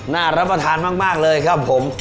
รับประทานมากเลยครับผม